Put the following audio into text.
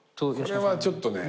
これはちょっとね。